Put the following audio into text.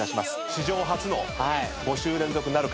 史上初の５週連続なるか？